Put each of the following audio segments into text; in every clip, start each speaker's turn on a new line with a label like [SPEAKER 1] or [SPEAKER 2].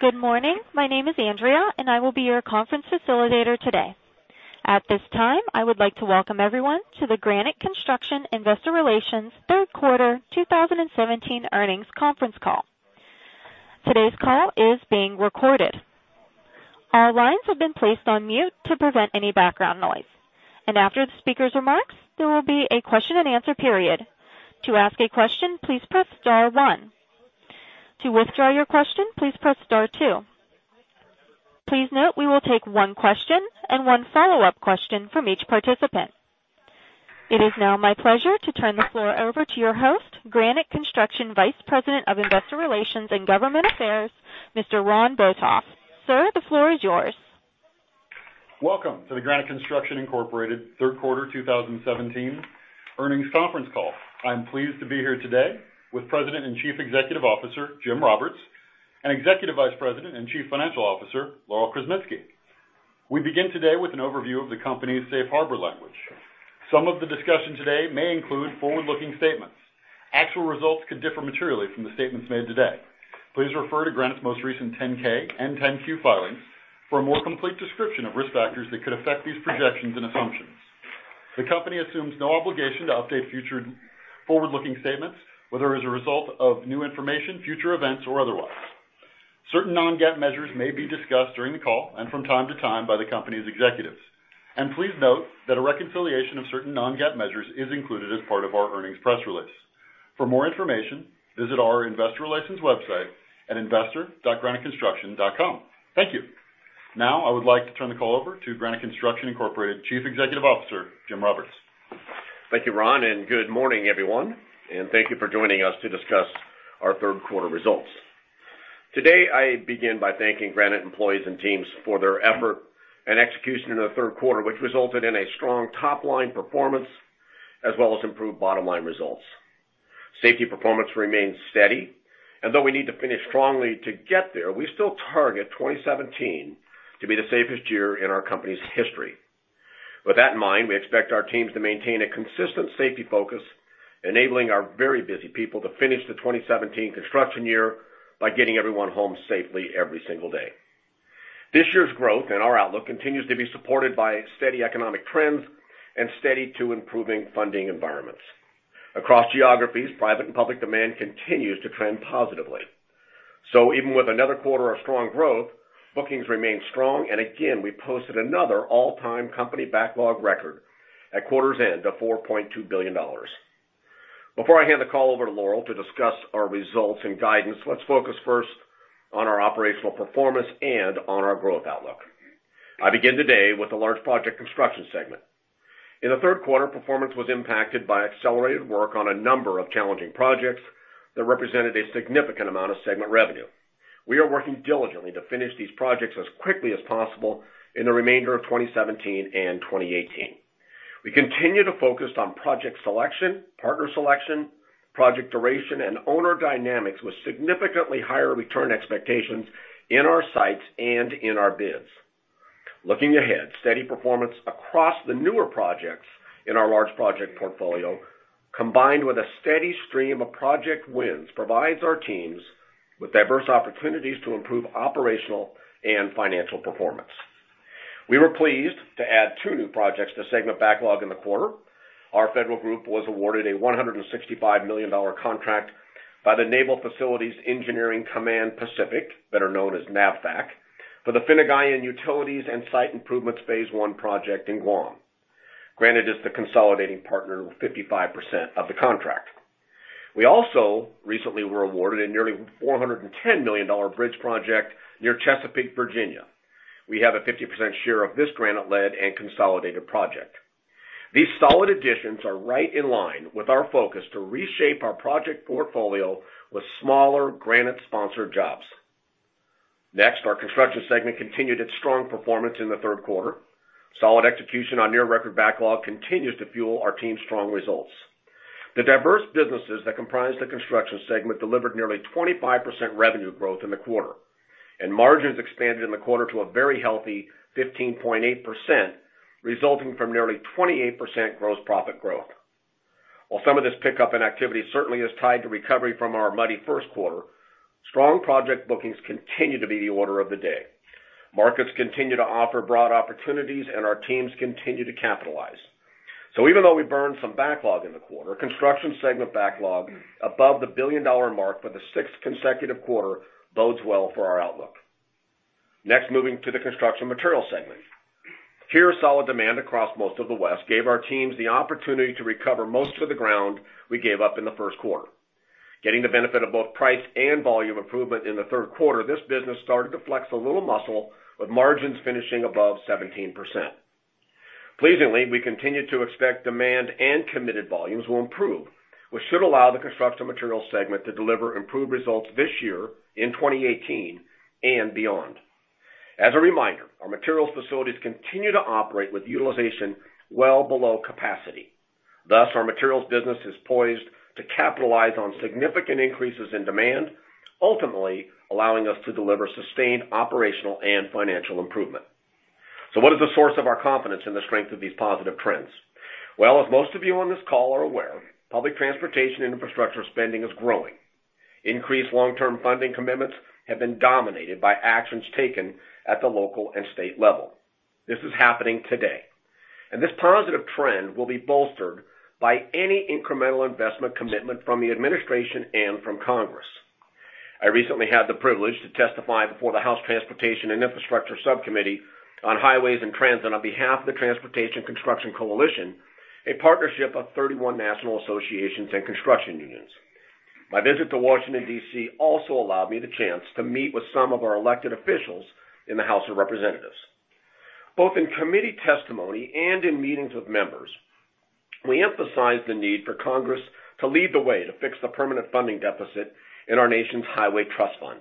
[SPEAKER 1] Good morning. My name is Andrea, and I will be your conference facilitator today. At this time, I would like to welcome everyone to the Granite Construction Investor Relations Third Quarter 2017 Earnings Conference Call. Today's call is being recorded. All lines have been placed on mute to prevent any background noise. After the speaker's remarks, there will be a question and answer period. To ask a question, please press star one. To withdraw your question, please press star two. Please note we will take one question and one follow-up question from each participant. It is now my pleasure to turn the floor over to your host, Granite Construction Vice President of Investor Relations and Government Affairs, Mr. Ron Botoff. Sir, the floor is yours.
[SPEAKER 2] Welcome to the Granite Construction Incorporated Third Quarter 2017 Earnings Conference Call. I'm pleased to be here today with President and Chief Executive Officer Jim Roberts and Executive Vice President and Chief Financial Officer Laurel Krzeminski. We begin today with an overview of the company's safe harbor language. Some of the discussion today may include forward-looking statements. Actual results could differ materially from the statements made today. Please refer to Granite's most recent 10-K and 10-Q filings for a more complete description of risk factors that could affect these projections and assumptions. The company assumes no obligation to update future forward-looking statements, whether as a result of new information, future events, or otherwise. Certain non-GAAP measures may be discussed during the call and from time to time by the company's executives. Please note that a reconciliation of certain non-GAAP measures is included as part of our earnings press release. For more information, visit our investor relations website at investor.graniteconstruction.com. Thank you. Now, I would like to turn the call over to Granite Construction Incorporated Chief Executive Officer Jim Roberts.
[SPEAKER 3] Thank you, Ron, and good morning, everyone. Thank you for joining us to discuss our third quarter results. Today, I begin by thanking Granite employees and teams for their effort and execution in the third quarter, which resulted in a strong top-line performance as well as improved bottom-line results. Safety performance remains steady, and though we need to finish strongly to get there, we still target 2017 to be the safest year in our company's history. With that in mind, we expect our teams to maintain a consistent safety focus, enabling our very busy people to finish the 2017 construction year by getting everyone home safely every single day. This year's growth and our outlook continues to be supported by steady economic trends and steady to improving funding environments. Across geographies, private and public demand continues to trend positively. So even with another quarter of strong growth, bookings remain strong, and again, we posted another all-time company backlog record at quarter's end of $4.2 billion. Before I hand the call over to Laurel to discuss our results and guidance, let's focus first on our operational performance and on our growth outlook. I begin today with a large project Construction segment. In the third quarter, performance was impacted by accelerated work on a number of challenging projects that represented a significant amount of Segment revenue. We are working diligently to finish these projects as quickly as possible in the remainder of 2017 and 2018. We continue to focus on project selection, partner selection, project duration, and owner dynamics with significantly higher return expectations in our sites and in our bids. Looking ahead, steady performance across the newer projects in our large project portfolio, combined with a steady stream of project wins, provides our teams with diverse opportunities to improve operational and financial performance. We were pleased to add two new projects to segment backlog in the quarter. Our federal group was awarded a $165 million contract by the Naval Facilities Engineering Command Pacific, better known as NAVFAC, for the Finegayan Utilities and Site Improvements Phase One project in Guam. Granite is the consolidating partner with 55% of the contract. We also recently were awarded a nearly $410 million bridge project near Chesapeake, Virginia. We have a 50% share of this Granite-led and consolidated project. These solid additions are right in line with our focus to reshape our project portfolio with smaller Granite-sponsored jobs. Next, our Construction segment continued its strong performance in the third quarter. Solid execution on near-record backlog continues to fuel our team's strong results. The diverse businesses that comprise the Construction segment delivered nearly 25% revenue growth in the quarter, and margins expanded in the quarter to a very healthy 15.8%, resulting from nearly 28% gross profit growth. While some of this pickup in activity certainly is tied to recovery from our muddy first quarter, strong project bookings continue to be the order of the day. Markets continue to offer broad opportunities, and our teams continue to capitalize. So even though we burned some backlog in the quarter, Construction segment backlog above the billion-dollar mark for the sixth consecutive quarter bodes well for our outlook. Next, moving to the Construction Material segment. Here, solid demand across most of the West gave our teams the opportunity to recover most of the ground we gave up in the first quarter. Getting the benefit of both price and volume improvement in the third quarter, this business started to flex a little muscle, with margins finishing above 17%. Pleasingly, we continue to expect demand and committed volumes will improve, which should allow the Construction Material segment to deliver improved results this year in 2018 and beyond. As a reminder, our materials facilities continue to operate with utilization well below capacity. Thus, our Material business is poised to capitalize on significant increases in demand, ultimately allowing us to deliver sustained operational and financial improvement. So what is the source of our confidence in the strength of these positive trends? Well, as most of you on this call are aware, public transportation infrastructure spending is growing. Increased long-term funding commitments have been dominated by actions taken at the local and state level. This is happening today. This positive trend will be bolstered by any incremental investment commitment from the Administration and from Congress. I recently had the privilege to testify before the House Transportation and Infrastructure Subcommittee on Highways and Transit on behalf of the Transportation Construction Coalition, a partnership of 31 national associations and construction unions. My visit to Washington, D.C., also allowed me the chance to meet with some of our elected officials in the House of Representatives. Both in committee testimony and in meetings with members, we emphasized the need for Congress to lead the way to fix the permanent funding deficit in our nation's Highway Trust Fund.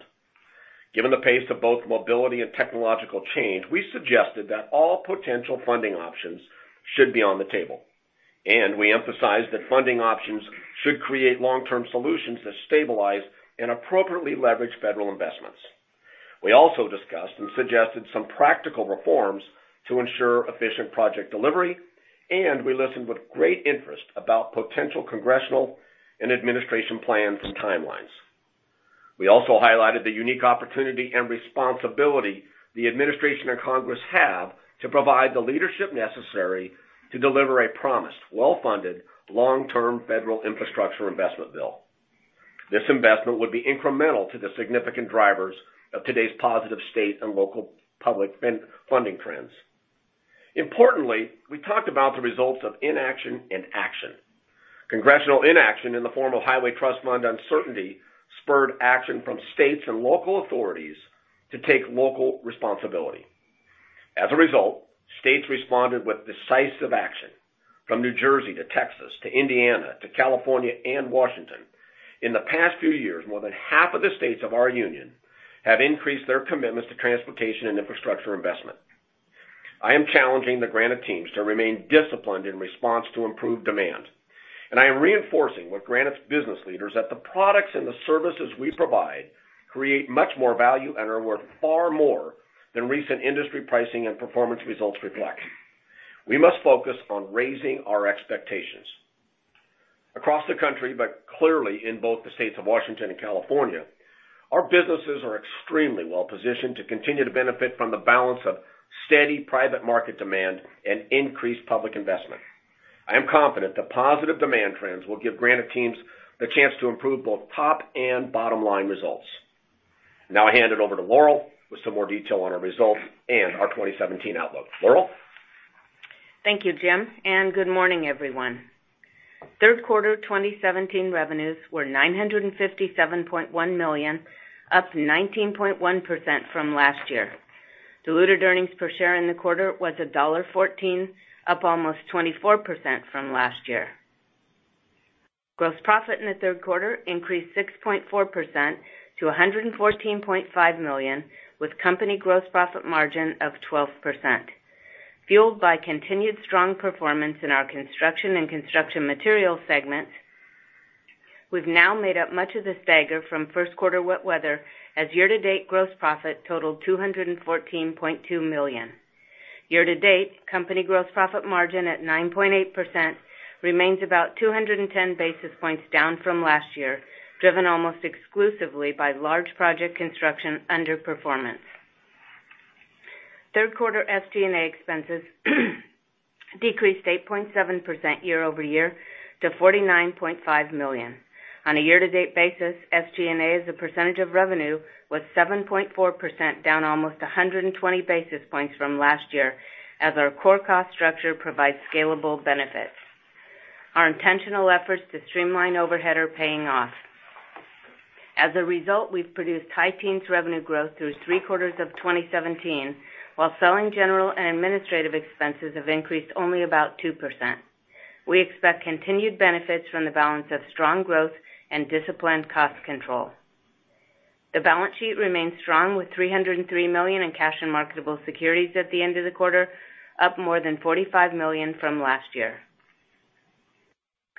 [SPEAKER 3] Given the pace of both mobility and technological change, we suggested that all potential funding options should be on the table. And we emphasized that funding options should create long-term solutions that stabilize and appropriately leverage federal investments. We also discussed and suggested some practical reforms to ensure efficient project delivery, and we listened with great interest about potential Congressional and Administration plans and timelines. We also highlighted the unique opportunity and responsibility the Administration and Congress have to provide the leadership necessary to deliver a promised, well-funded, long-term federal infrastructure investment bill. This investment would be incremental to the significant drivers of today's positive state and local public funding trends. Importantly, we talked about the results of inaction and action. Congressional inaction in the form of Highway Trust Fund uncertainty spurred action from states and local authorities to take local responsibility. As a result, states responded with decisive action. From New Jersey to Texas to Indiana to California and Washington, in the past few years, more than half of the states of our union have increased their commitments to transportation and infrastructure investment. I am challenging the Granite teams to remain disciplined in response to improved demand. I am reinforcing to Granite's business leaders that the products and the services we provide create much more value and are worth far more than recent industry pricing and performance results reflect. We must focus on raising our expectations. Across the country, but clearly in both the states of Washington and California, our businesses are extremely well-positioned to continue to benefit from the balance of steady private market demand and increased public investment. I am confident the positive demand trends will give Granite teams the chance to improve both top and bottom-line results. Now I hand it over to Laurel with some more detail on our results and our 2017 outlook. Laurel?
[SPEAKER 4] Thank you, Jim. Good morning, everyone. Third quarter 2017 revenues were $957.1 million, up 19.1% from last year. Diluted earnings per share in the quarter was $1.14, up almost 24% from last year. Gross profit in the third quarter increased 6.4% to $114.5 million, with company gross profit margin of 12%. Fueled by continued strong performance in our Construction and Construction Materials segments, we've now made up much of the stagger from first quarter wet weather as year-to-date gross profit totaled $214.2 million. Year-to-date, company gross profit margin at 9.8% remains about 210 basis points down from last year, driven almost exclusively by large project construction underperformance. Third quarter SG&A expenses decreased 8.7% year-over-year to $49.5 million. On a year-to-date basis, SG&A as a % of revenue was 7.4%, down almost 120 basis points from last year as our core cost structure provides scalable benefits. Our intentional efforts to streamline overhead are paying off. As a result, we've produced high teens revenue growth through three quarters of 2017, while selling, general, and administrative expenses have increased only about 2%. We expect continued benefits from the balance of strong growth and disciplined cost control. The balance sheet remains strong with $303 million in cash and marketable securities at the end of the quarter, up more than $45 million from last year.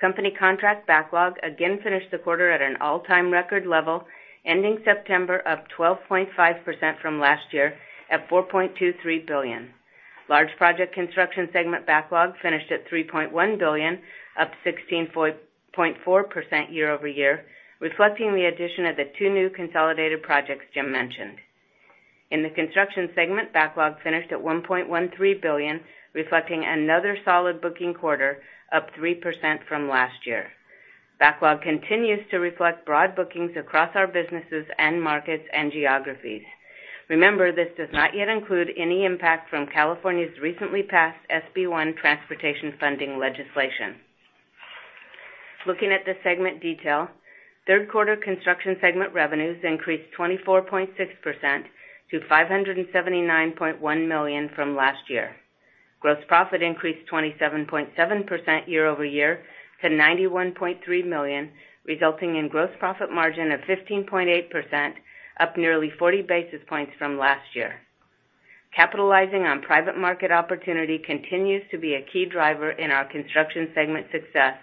[SPEAKER 4] Company contract backlog again finished the quarter at an all-time record level, ending September up 12.5% from last year at $4.23 billion. Large project Construction segment backlog finished at $3.1 billion, up 16.4% year-over-year, reflecting the addition of the two new consolidated projects Jim mentioned. In the Construction segment, backlog finished at $1.13 billion, reflecting another solid booking quarter, up 3% from last year. Backlog continues to reflect broad bookings across our businesses and markets and geographies. Remember, this does not yet include any impact from California's recently passed SB-1 transportation funding legislation. Looking at the segment detail, third quarter Construction segment revenues increased 24.6% to $579.1 million from last year. Gross profit increased 27.7% year-over-year to $91.3 million, resulting in gross profit margin of 15.8%, up nearly 40 basis points from last year. Capitalizing on private market opportunity continues to be a key driver in our Construction segment success,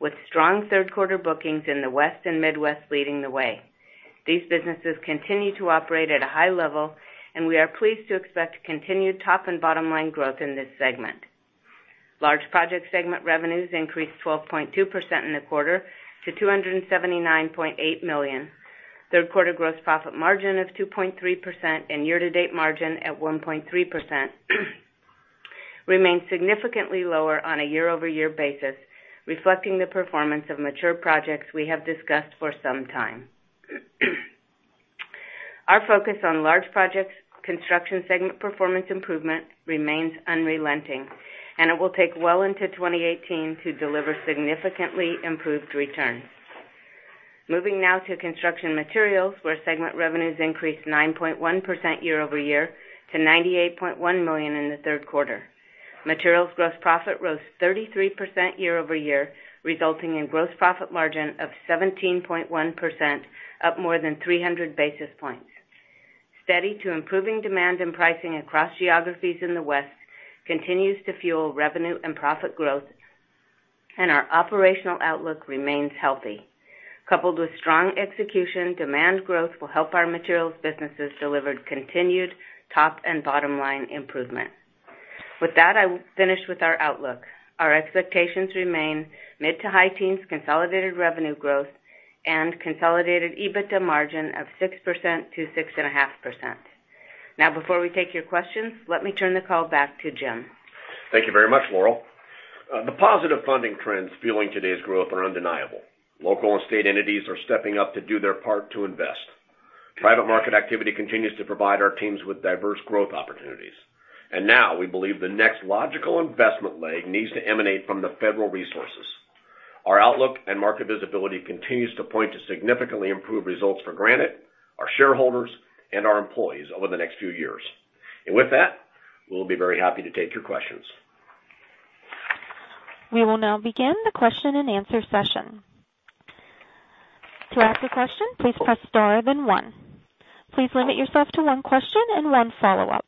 [SPEAKER 4] with strong third quarter bookings in the West and Midwest leading the way. These businesses continue to operate at a high level, and we are pleased to expect continued top and bottom-line growth in this segment. Large project segment revenues increased 12.2% in the quarter to $279.8 million. Third quarter gross profit margin of 2.3% and year-to-date margin at 1.3% remains significantly lower on a year-over-year basis, reflecting the performance of mature projects we have discussed for some time. Our focus on large projects Construction segment performance improvement remains unrelenting, and it will take well into 2018 to deliver significantly improved returns. Moving now to construction materials, where segment revenues increased 9.1% year-over-year to $98.1 million in the third quarter. Materials gross profit rose 33% year-over-year, resulting in gross profit margin of 17.1%, up more than 300 basis points. Steady to improving demand and pricing across geographies in the west continues to fuel revenue and profit growth, and our operational outlook remains healthy. Coupled with strong execution, demand growth will help our materials businesses deliver continued top and bottom-line improvement. With that, I finish with our outlook. Our expectations remain mid to high teens, consolidated revenue growth, and consolidated EBITDA margin of 6%-6.5%. Now, before we take your questions, let me turn the call back to Jim.
[SPEAKER 3] Thank you very much, Laurel. The positive funding trends fueling today's growth are undeniable. Local and state entities are stepping up to do their part to invest. Private market activity continues to provide our teams with diverse growth opportunities. Now we believe the next logical investment leg needs to emanate from the federal resources. Our outlook and market visibility continues to point to significantly improved results for Granite, our shareholders, and our employees over the next few years. With that, we'll be very happy to take your questions.
[SPEAKER 1] We will now begin the question and answer session. To ask a question, please press star then one. Please limit yourself to one question and one follow-up.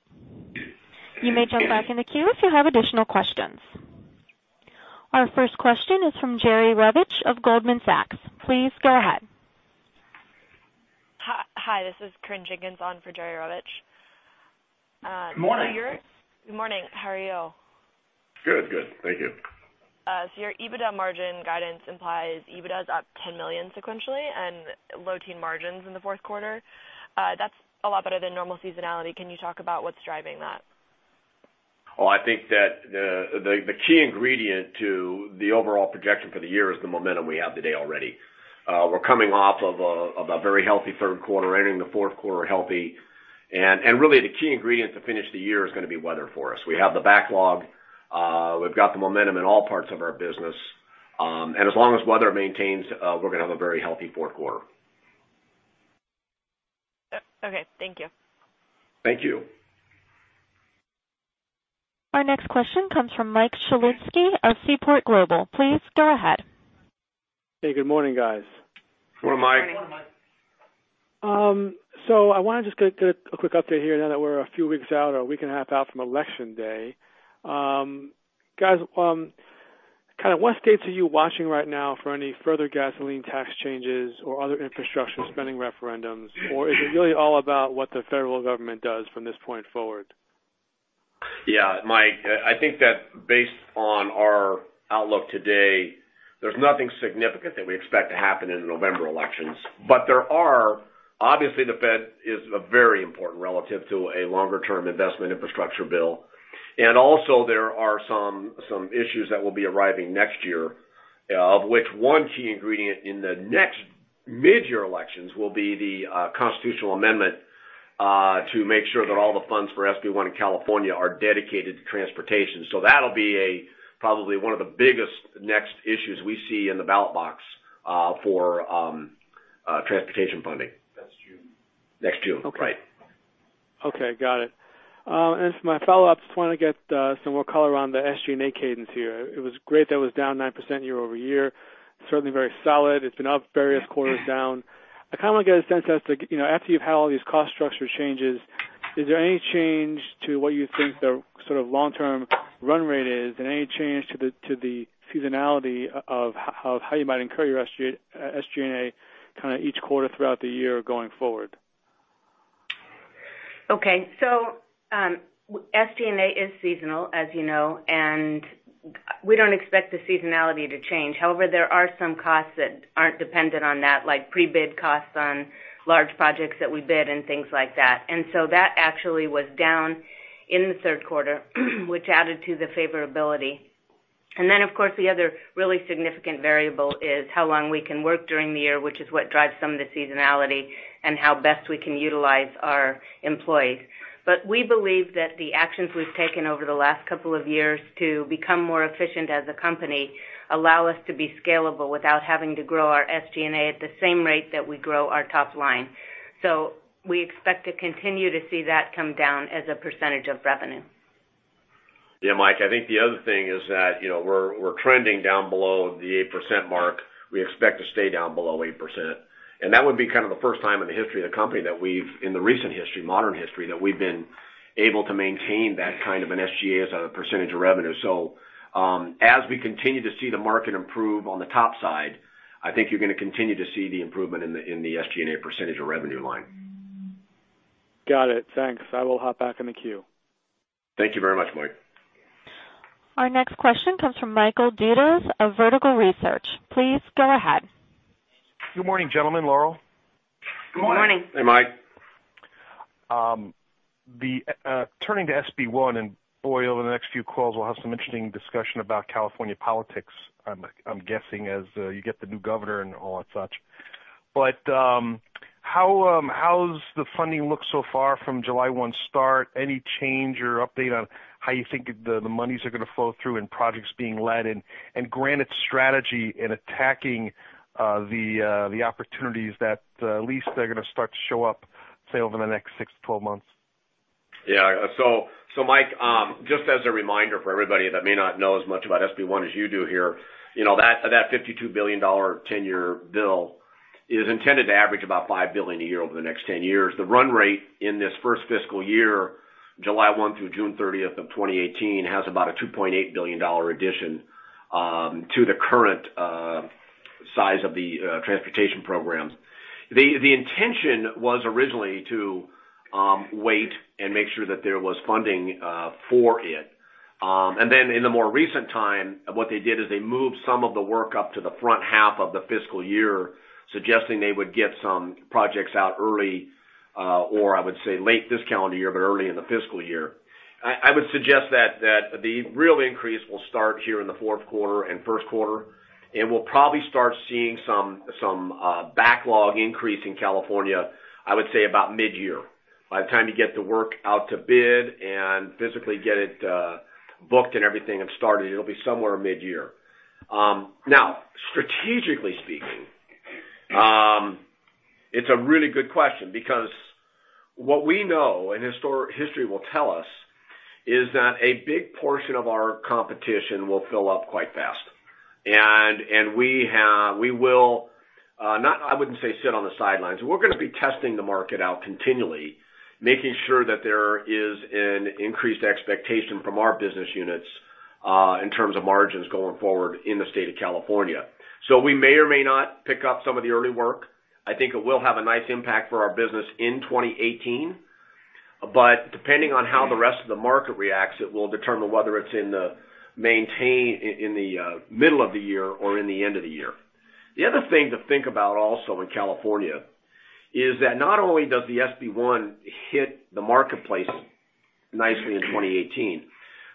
[SPEAKER 1] You may jump back in the queue if you have additional questions. Our first question is from Jerry Revich of Goldman Sachs. Please go ahead.
[SPEAKER 5] Hi, this is Corinne Jenkins on for Jerry Revich.
[SPEAKER 3] Good morning.
[SPEAKER 5] How are you? Good morning. How are you?
[SPEAKER 3] Good, good. Thank you.
[SPEAKER 5] Your EBITDA margin guidance implies EBITDA is up $10 million sequentially and low-teens margins in the fourth quarter. That's a lot better than normal seasonality. Can you talk about what's driving that?
[SPEAKER 3] Oh, I think that the key ingredient to the overall projection for the year is the momentum we have today already. We're coming off of a very healthy third quarter, ending the fourth quarter healthy. Really, the key ingredient to finish the year is going to be weather for us. We have the backlog. We've got the momentum in all parts of our business. As long as weather maintains, we're going to have a very healthy fourth quarter.
[SPEAKER 5] Okay. Thank you.
[SPEAKER 3] Thank you.
[SPEAKER 1] Our next question comes from Mike Shlisky of Seaport Global. Please go ahead.
[SPEAKER 6] Hey, good morning, guys.
[SPEAKER 3] Morning, Mike.
[SPEAKER 4] Morning, Mike.
[SPEAKER 6] So I want to just get a quick update here now that we're a few weeks out or a week and a half out from election day. Guys, kind of what states are you watching right now for any further gasoline tax changes or other infrastructure spending referendums? Or is it really all about what the federal government does from this point forward?
[SPEAKER 3] Yeah, Mike, I think that based on our outlook today, there's nothing significant that we expect to happen in the November elections. But there are, obviously, the Fed is very important relative to a longer-term investment infrastructure bill. And also, there are some issues that will be arriving next year, of which one key ingredient in the next mid-year elections will be the constitutional amendment to make sure that all the funds for SB-1 in California are dedicated to transportation. So that'll be probably one of the biggest next issues we see in the ballot box for transportation funding.
[SPEAKER 2] That's June.
[SPEAKER 3] Next June. Right.
[SPEAKER 6] Okay. Got it. And for my follow-up, just want to get some more color on the SG&A cadence here. It was great that it was down 9% year-over-year. Certainly very solid. It's been up various quarters down. I kind of want to get a sense as to after you've had all these cost structure changes, is there any change to what you think the sort of long-term run rate is? And any change to the seasonality of how you might incur your SG&A kind of each quarter throughout the year going forward?
[SPEAKER 4] Okay. So SG&A is seasonal, as you know, and we don't expect the seasonality to change. However, there are some costs that aren't dependent on that, like pre-bid costs on large projects that we bid and things like that. And so that actually was down in the third quarter, which added to the favorability. And then, of course, the other really significant variable is how long we can work during the year, which is what drives some of the seasonality and how best we can utilize our employees. But we believe that the actions we've taken over the last couple of years to become more efficient as a company allow us to be scalable without having to grow our SG&A at the same rate that we grow our top line. So we expect to continue to see that come down as a % of revenue.
[SPEAKER 3] Yeah, Mike, I think the other thing is that we're trending down below the 8% mark. We expect to stay down below 8%. That would be kind of the first time in the history of the company that we've, in the recent history, modern history, that we've been able to maintain that kind of an SG&A as a % of revenue. As we continue to see the market improve on the top side, I think you're going to continue to see the improvement in the SG&A % of revenue line.
[SPEAKER 6] Got it. Thanks. I will hop back in the queue.
[SPEAKER 3] Thank you very much, Mike.
[SPEAKER 1] Our next question comes from Michael Dudas of Vertical Research. Please go ahead.
[SPEAKER 7] Good morning, gentlemen. Laurel?
[SPEAKER 4] Good morning.
[SPEAKER 3] Hey, Mike.
[SPEAKER 7] Turning to SB-1, and boy, over the next few calls, we'll have some interesting discussion about California politics, I'm guessing, as you get the new governor and all that such. But how's the funding look so far from July 1 start? Any change or update on how you think the monies are going to flow through in projects being led and Granite's strategy in attacking the opportunities that at least they're going to start to show up, say, over the next six to 12 months?
[SPEAKER 3] Yeah. So Mike, just as a reminder for everybody that may not know as much about SB-1 as you do here, that $52 billion 10-year bill is intended to average about $5 billion a year over the next 10 years. The run rate in this first fiscal year, July 1 through June 30th of 2018, has about a $2.8 billion addition to the current size of the transportation program. The intention was originally to wait and make sure that there was funding for it. And then in the more recent time, what they did is they moved some of the work up to the front half of the fiscal year, suggesting they would get some projects out early or, I would say, late this calendar year, but early in the fiscal year. I would suggest that the real increase will start here in the fourth quarter and first quarter. We'll probably start seeing some backlog increase in California, I would say, about mid-year. By the time you get the work out to bid and physically get it booked and everything started, it'll be somewhere mid-year. Now, strategically speaking, it's a really good question because what we know and history will tell us is that a big portion of our competition will fill up quite fast. We will not, I wouldn't say, sit on the sidelines. We're going to be testing the market out continually, making sure that there is an increased expectation from our business units in terms of margins going forward in the state of California. We may or may not pick up some of the early work. I think it will have a nice impact for our business in 2018. But depending on how the rest of the market reacts, it will determine whether it's in the middle of the year or in the end of the year. The other thing to think about also in California is that not only does the SB-1 hit the marketplace nicely in 2018,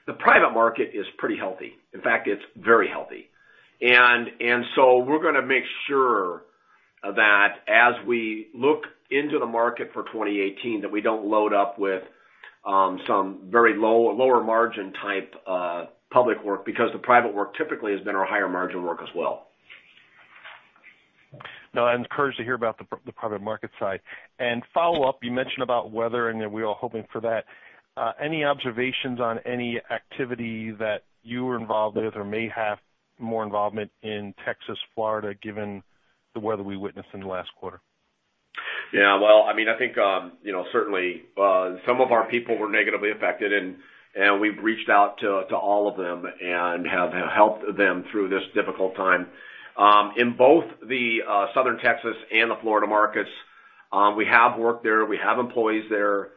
[SPEAKER 3] the private market is pretty healthy. In fact, it's very healthy. And so we're going to make sure that as we look into the market for 2018, that we don't load up with some very lower margin type public work because the private work typically has been our higher margin work as well.
[SPEAKER 7] No, I'm encouraged to hear about the private market side. Follow-up, you mentioned about weather, and we're all hoping for that. Any observations on any activity that you were involved with or may have more involvement in Texas, Florida, given the weather we witnessed in the last quarter?
[SPEAKER 3] Yeah. Well, I mean, I think certainly some of our people were negatively affected, and we've reached out to all of them and have helped them through this difficult time. In both the southern Texas and the Florida markets, we have work there. We have employees there.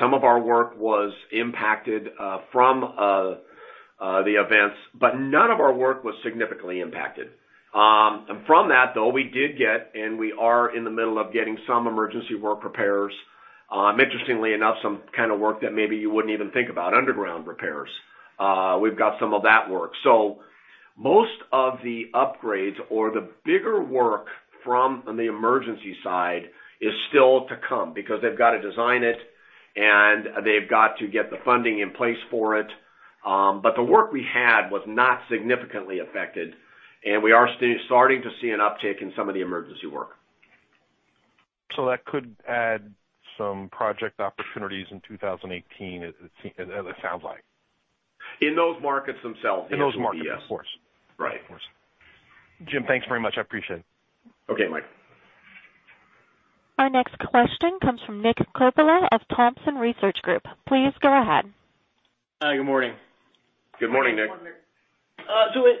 [SPEAKER 3] Some of our work was impacted from the events, but none of our work was significantly impacted. And from that, though, we did get, and we are in the middle of getting some emergency work repairs. Interestingly enough, some kind of work that maybe you wouldn't even think about, underground repairs. We've got some of that work. So most of the upgrades or the bigger work from the emergency side is still to come because they've got to design it, and they've got to get the funding in place for it. The work we had was not significantly affected, and we are starting to see an uptick in some of the emergency work.
[SPEAKER 7] That could add some project opportunities in 2018, it sounds like.
[SPEAKER 3] In those markets themselves.
[SPEAKER 7] In those markets, of course.
[SPEAKER 3] Right.
[SPEAKER 7] Thanks very much. I appreciate it.
[SPEAKER 3] Okay, Mike.
[SPEAKER 1] Our next question comes from Nick Coppola of Thompson Research Group. Please go ahead.
[SPEAKER 8] Hi, good morning.
[SPEAKER 3] Good morning, Nick.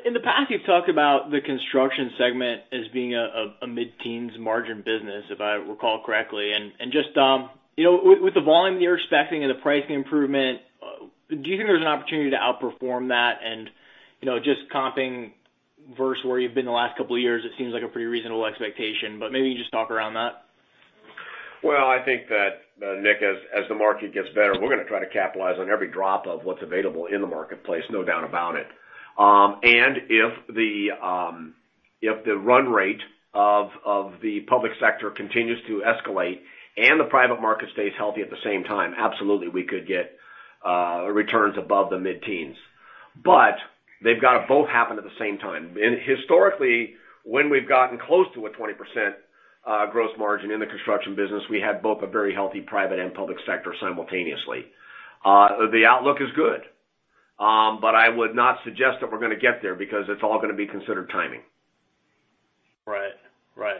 [SPEAKER 8] In the past, you've talked about the Construction segment as being a mid-teens margin business, if I recall correctly. Just with the volume that you're expecting and the pricing improvement, do you think there's an opportunity to outperform that? Just comping vs where you've been the last couple of years, it seems like a pretty reasonable expectation. Maybe you can just talk around that.
[SPEAKER 3] Well, I think that, Nick, as the market gets better, we're going to try to capitalize on every drop of what's available in the marketplace, no doubt about it. And if the run rate of the public sector continues to escalate and the private market stays healthy at the same time, absolutely, we could get returns above the mid-teens. But they've got to both happen at the same time. And historically, when we've gotten close to a 20% gross margin in the construction business, we had both a very healthy private and public sector simultaneously. The outlook is good. But I would not suggest that we're going to get there because it's all going to be considered timing.
[SPEAKER 8] Right. Right.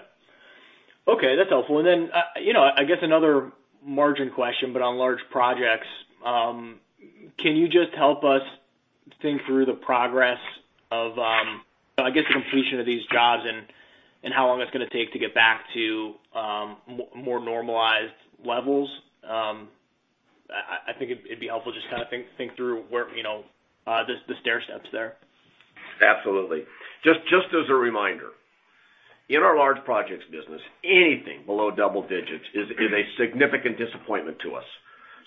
[SPEAKER 8] Okay. That's helpful. And then I guess another margin question, but on large projects, can you just help us think through the progress of, I guess, the completion of these jobs and how long it's going to take to get back to more normalized levels? I think it'd be helpful to just kind of think through the stair steps there.
[SPEAKER 3] Absolutely. Just as a reminder, in our large projects business, anything below double digits is a significant disappointment to us.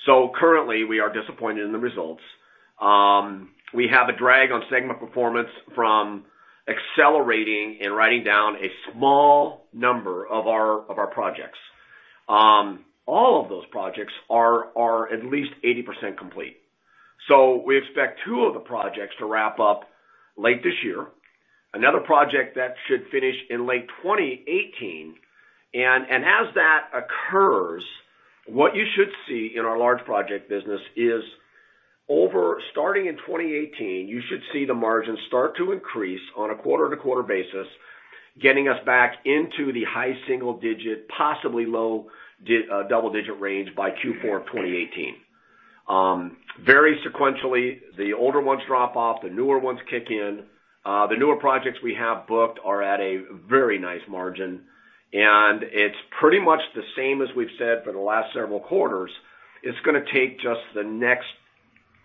[SPEAKER 3] So currently, we are disappointed in the results. We have a drag on segment performance from accelerating and writing down a small number of our projects. All of those projects are at least 80% complete. So we expect two of the projects to wrap up late this year, another project that should finish in late 2018. And as that occurs, what you should see in our large project business is, starting in 2018, you should see the margin start to increase on a quarter-to-quarter basis, getting us back into the high single-digit, possibly low double-digit range by Q4 of 2018. Very sequentially, the older ones drop off, the newer ones kick in. The newer projects we have booked are at a very nice margin. It's pretty much the same as we've said for the last several quarters. It's going to take just the next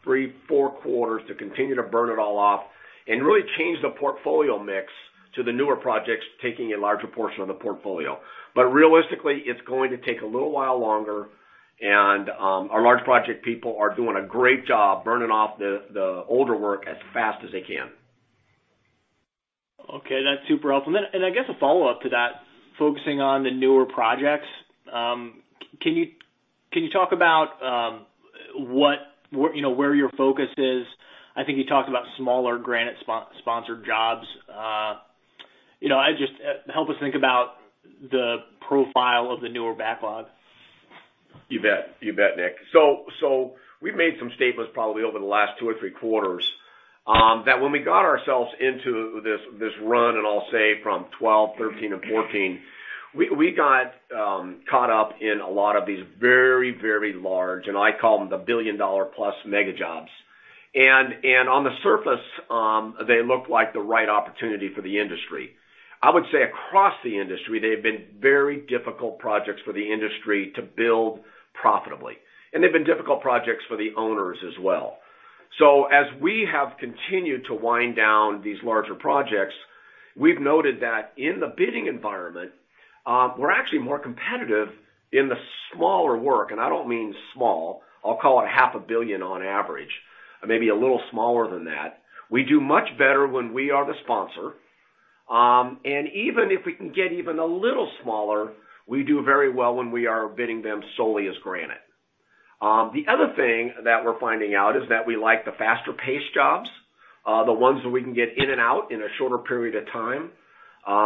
[SPEAKER 3] three, four quarters to continue to burn it all off and really change the portfolio mix to the newer projects taking a larger portion of the portfolio. But realistically, it's going to take a little while longer. Our large project people are doing a great job burning off the older work as fast as they can.
[SPEAKER 8] Okay. That's super helpful. I guess a follow-up to that, focusing on the newer projects, can you talk about where your focus is? I think you talked about smaller Granite-sponsored jobs. Just help us think about the profile of the newer backlog.
[SPEAKER 3] You bet. You bet, Nick. So we've made some statements probably over the last two or three quarters that when we got ourselves into this run, and I'll say from 2012, 2013, and 2014, we got caught up in a lot of these very, very large, and I call them the billion-dollar-plus mega jobs. And on the surface, they look like the right opportunity for the industry. I would say across the industry, they've been very difficult projects for the industry to build profitably. And they've been difficult projects for the owners as well. So as we have continued to wind down these larger projects, we've noted that in the bidding environment, we're actually more competitive in the smaller work. And I don't mean small. I'll call it $500 million on average, maybe a little smaller than that. We do much better when we are the sponsor. Even if we can get even a little smaller, we do very well when we are bidding them solely as Granite. The other thing that we're finding out is that we like the faster-paced jobs, the ones that we can get in and out in a shorter period of time,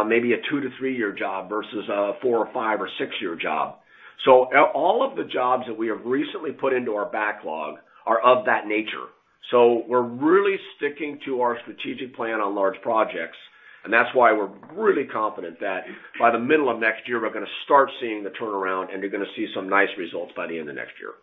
[SPEAKER 3] maybe a two to three year job vs a four or five- or six-year job. All of the jobs that we have recently put into our backlog are of that nature. We're really sticking to our strategic plan on large projects. That's why we're really confident that by the middle of next year, we're going to start seeing the turnaround, and you're going to see some nice results by the end of next year.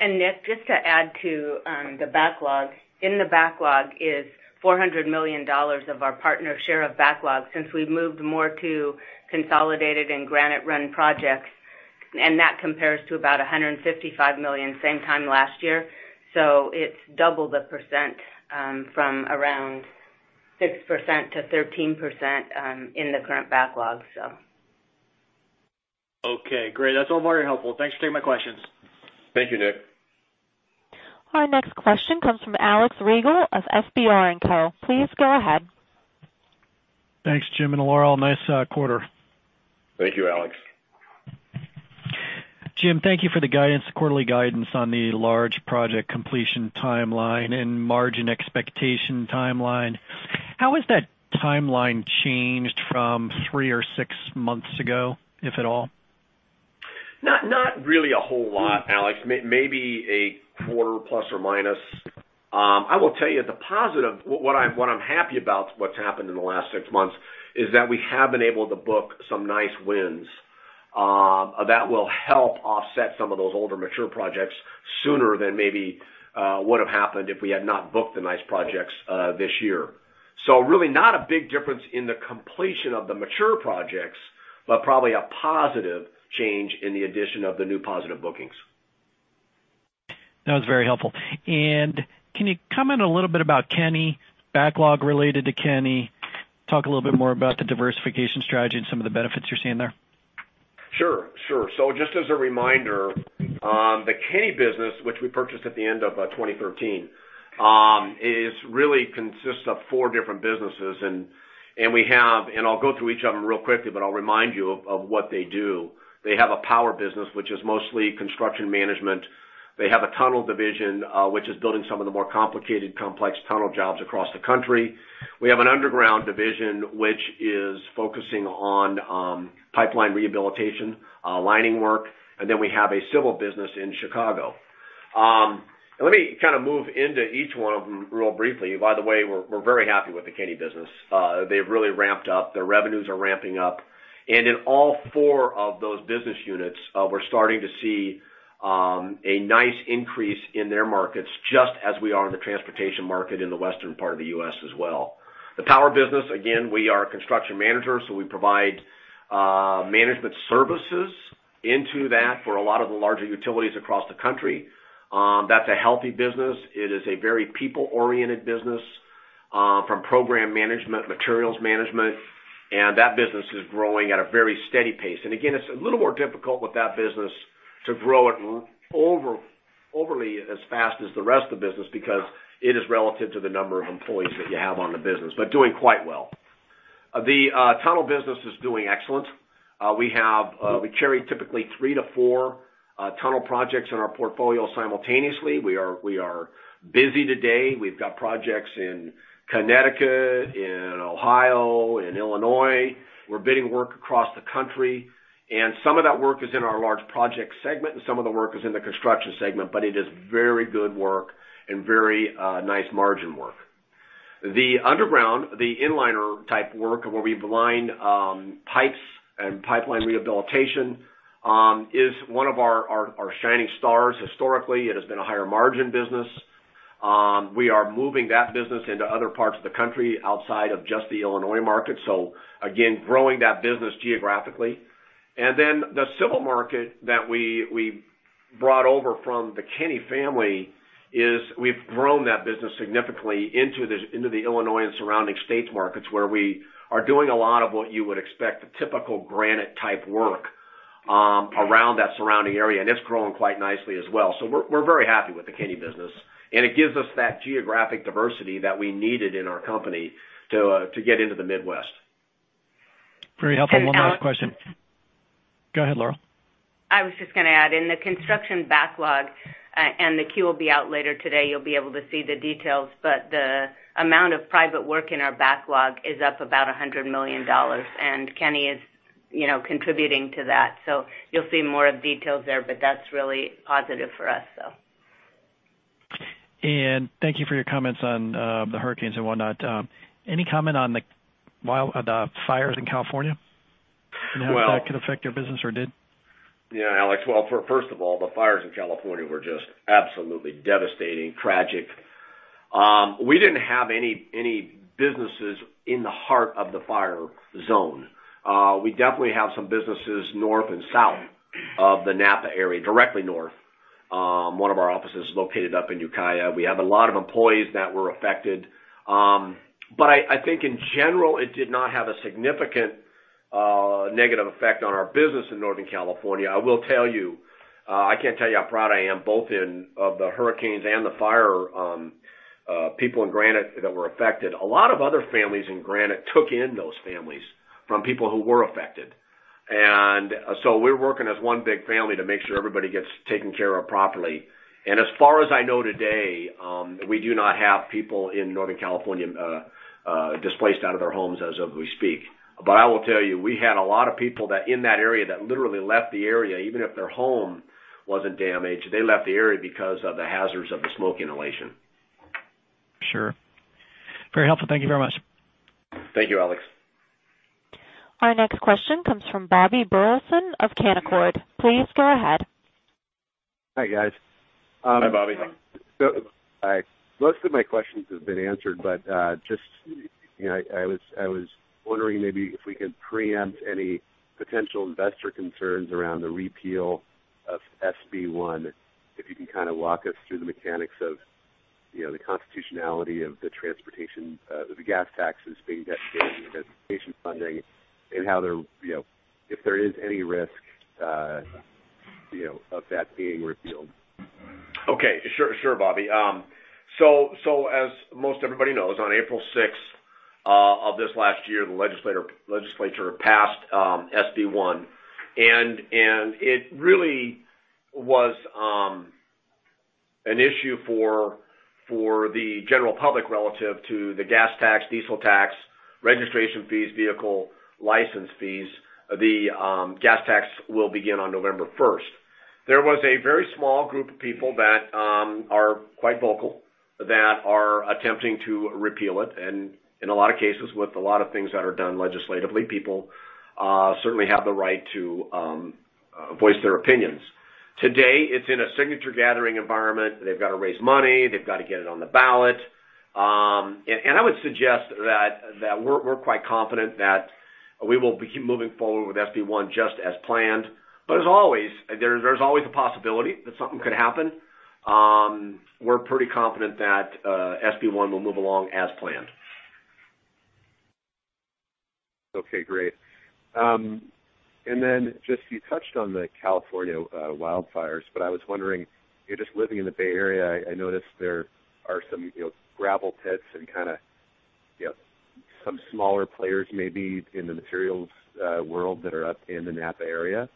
[SPEAKER 4] Nick, just to add to the backlog, in the backlog is $400 million of our partner share of backlog since we've moved more to consolidated and Granite-run projects. That compares to about $155 million same time last year. It's double the percent from around 6%-13% in the current backlog, so.
[SPEAKER 8] Okay. Great. That's all very helpful. Thanks for taking my questions.
[SPEAKER 3] Thank you, Nick.
[SPEAKER 1] Our next question comes from Alex Rygiel of FBR & Co. Please go ahead.
[SPEAKER 9] Thanks, Jim and Laurel. Nice quarter.
[SPEAKER 3] Thank you, Alex.
[SPEAKER 9] Jim, thank you for the quarterly guidance on the large project completion timeline and margin expectation timeline. How has that timeline changed from three or six months ago, if at all?
[SPEAKER 3] Not really a whole lot, Alex. Maybe a quarter ±. I will tell you the positive, what I'm happy about what's happened in the last six months is that we have been able to book some nice wins that will help offset some of those older mature projects sooner than maybe would have happened if we had not booked the nice projects this year. So really not a big difference in the completion of the mature projects, but probably a positive change in the addition of the new positive bookings.
[SPEAKER 9] That was very helpful. Can you comment a little bit about Kenny, backlog related to Kenny, talk a little bit more about the diversification strategy and some of the benefits you're seeing there?
[SPEAKER 3] Sure. Sure. So just as a reminder, the Kenny business, which we purchased at the end of 2013, really consists of four different businesses. And I'll go through each of them real quickly, but I'll remind you of what they do. They have a power business, which is mostly construction management. They have a tunnel division, which is building some of the more complicated, complex tunnel jobs across the country. We have an underground division, which is focusing on pipeline rehabilitation, lining work. And then we have a civil business in Chicago. And let me kind of move into each one of them real briefly. By the way, we're very happy with the Kenny business. They've really ramped up. Their revenues are ramping up. And in all four of those business units, we're starting to see a nice increase in their markets, just as we are in the transportation market in the western part of the U.S. as well. The power business, again, we are a construction manager, so we provide management services into that for a lot of the larger utilities across the country. That's a healthy business. It is a very people-oriented business from program management, materials management. And that business is growing at a very steady pace. And again, it's a little more difficult with that business to grow it overly as fast as the rest of the business because it is relative to the number of employees that you have on the business, but doing quite well. The tunnel business is doing excellent. We carry typically three to four tunnel projects in our portfolio simultaneously. We are busy today. We've got projects in Connecticut, in Ohio, in Illinois. We're bidding work across the country. Some of that work is in our large project segment, and some of the work is in the Construction segment, but it is very good work and very nice margin work. The underground, the Inliner type work where we've lined pipes and pipeline rehabilitation is one of our shining stars historically. It has been a higher margin business. We are moving that business into other parts of the country outside of just the Illinois market. So again, growing that business geographically. Then the civil market that we brought over from the Kenny family is we've grown that business significantly into the Illinois and surrounding states markets where we are doing a lot of what you would expect, the typical Granite-type work around that surrounding area. It's growing quite nicely as well. We're very happy with the Kenny business. It gives us that geographic diversity that we needed in our company to get into the Midwest.
[SPEAKER 9] Very helpful. One last question. Go ahead, Laurel.
[SPEAKER 4] I was just going to add in the construction backlog, and the Q will be out later today. You'll be able to see the details. But the amount of private work in our backlog is up about $100 million. And Kenny is contributing to that. So you'll see more of the details there, but that's really positive for us, so.
[SPEAKER 9] Thank you for your comments on the hurricanes and whatnot. Any comment on the fires in California and how that could affect your business or did?
[SPEAKER 3] Yeah, Alex. Well, first of all, the fires in California were just absolutely devastating, tragic. We didn't have any businesses in the heart of the fire zone. We definitely have some businesses north and south of the Napa area, directly north. One of our offices is located up in Ukiah. We have a lot of employees that were affected. But I think in general, it did not have a significant negative effect on our business in northern California. I will tell you, I can't tell you how proud I am both of the hurricanes and the fire people in Granite that were affected. A lot of other families in Granite took in those families from people who were affected. And so we're working as one big family to make sure everybody gets taken care of properly. As far as I know today, we do not have people in Northern California displaced out of their homes as we speak. But I will tell you, we had a lot of people in that area that literally left the area even if their home wasn't damaged. They left the area because of the hazards of the smoke inhalation.
[SPEAKER 9] Sure. Very helpful. Thank you very much.
[SPEAKER 3] Thank you, Alex.
[SPEAKER 1] Our next question comes from Bobby Burleson of Canaccord. Please go ahead.
[SPEAKER 10] Hi, guys.
[SPEAKER 3] Hi, Bobby.
[SPEAKER 10] Hi. Most of my questions have been answered, but just I was wondering maybe if we could preempt any potential investor concerns around the repeal of SB-1, if you can kind of walk us through the mechanics of the constitutionality of the transportation, the gas taxes being dedicated to transportation funding and how if there is any risk of that being repealed?
[SPEAKER 3] Okay. Sure, Bobby. So as most everybody knows, on April 6th of this last year, the legislature passed SB-1. It really was an issue for the general public relative to the gas tax, diesel tax, registration fees, vehicle license fees. The gas tax will begin on November 1st. There was a very small group of people that are quite vocal that are attempting to repeal it. In a lot of cases, with a lot of things that are done legislatively, people certainly have the right to voice their opinions. Today, it's in a signature-gathering environment. They've got to raise money. They've got to get it on the ballot. I would suggest that we're quite confident that we will be moving forward with SB-1 just as planned. But as always, there's always a possibility that something could happen. We're pretty confident that SB-1 will move along as planned.
[SPEAKER 10] Okay. Great. And then just you touched on the California wildfires, but I was wondering, just living in the Bay Area, I noticed there are some gravel pits and kind of some smaller players maybe in the materials world that are up in the Napa area.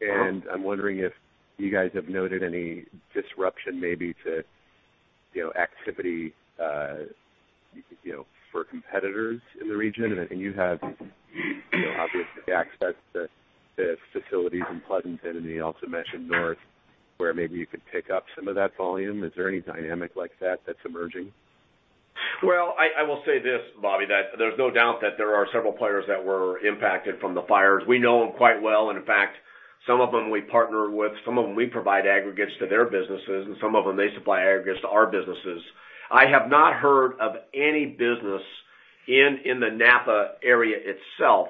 [SPEAKER 10] And I'm wondering if you guys have noted any disruption maybe to activity for competitors in the region. And you have obviously access to facilities in Pleasanton, and you also mentioned north where maybe you could pick up some of that volume. Is there any dynamic like that that's emerging?
[SPEAKER 3] Well, I will say this, Bobby, that there's no doubt that there are several players that were impacted from the fires. We know them quite well. And in fact, some of them we partner with, some of them we provide aggregates to their businesses, and some of them they supply aggregates to our businesses. I have not heard of any business in the Napa area itself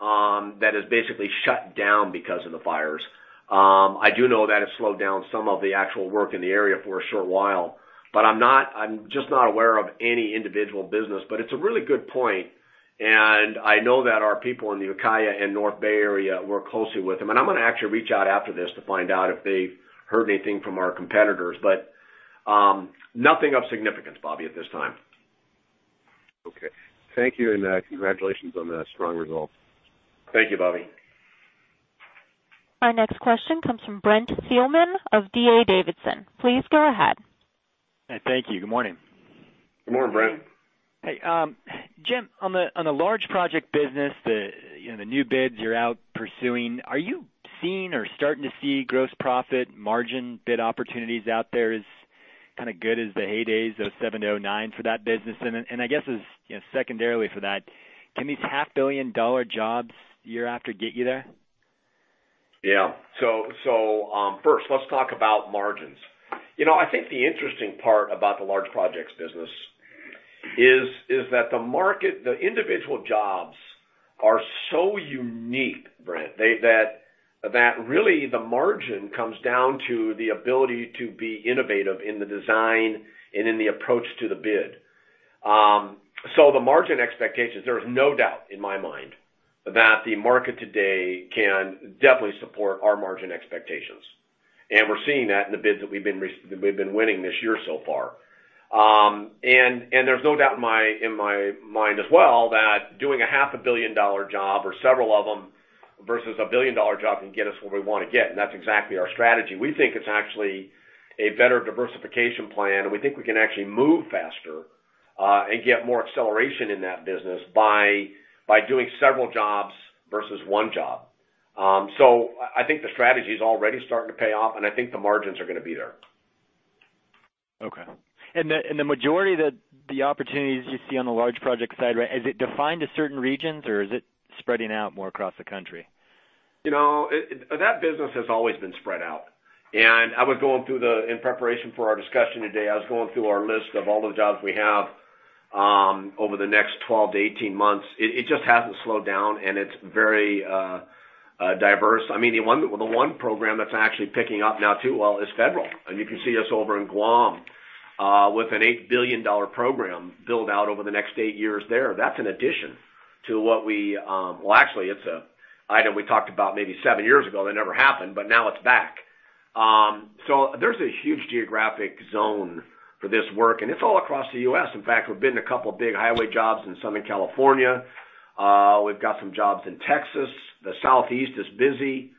[SPEAKER 3] that has basically shut down because of the fires. I do know that it slowed down some of the actual work in the area for a short while, but I'm just not aware of any individual business. But it's a really good point. And I know that our people in the Ukiah and North Bay area work closely with them. And I'm going to actually reach out after this to find out if they've heard anything from our competitors. But nothing of significance, Bobby, at this time.
[SPEAKER 10] Okay. Thank you. And congratulations on the strong results.
[SPEAKER 3] Thank you, Bobby.
[SPEAKER 1] Our next question comes from Brent Thielman of D.A. Davidson. Please go ahead.
[SPEAKER 11] Hey, thank you. Good morning.
[SPEAKER 3] Good morning, Brent.
[SPEAKER 11] Hey, Jim, on the large project business, the new bids you're out pursuing, are you seeing or starting to see gross profit margin bid opportunities out there as kind of good as the heydays, 2007-2009 for that business? And I guess secondarily for that, can these $500 million jobs year after get you there?
[SPEAKER 3] Yeah. So first, let's talk about margins. I think the interesting part about the large projects business is that the individual jobs are so unique, Brent, that really the margin comes down to the ability to be innovative in the design and in the approach to the bid. So the margin expectations, there is no doubt in my mind that the market today can definitely support our margin expectations. And we're seeing that in the bids that we've been winning this year so far. And there's no doubt in my mind as well that doing a $500 million job or several of them vs a $1 billion job can get us where we want to get. And that's exactly our strategy. We think it's actually a better diversification plan, and we think we can actually move faster and get more acceleration in that business by doing several jobs vs one job. I think the strategy is already starting to pay off, and I think the margins are going to be there.
[SPEAKER 11] Okay. The majority of the opportunities you see on the large project side, right, is it defined to certain regions, or is it spreading out more across the country?
[SPEAKER 3] That business has always been spread out. I was going through, in preparation for our discussion today, our list of all the jobs we have over the next 12-18 months. It just hasn't slowed down, and it's very diverse. I mean, the one program that's actually picking up now, too. Well, is federal. You can see us over in Guam with an $8 billion program built out over the next eight years there. That's an addition to what we, well, actually, it's an item we talked about maybe seven years ago. That never happened, but now it's back. There's a huge geographic zone for this work, and it's all across the U.S. In fact, we've been in a couple of big highway jobs in Southern California. We've got some jobs in Texas. The Southeast is busy.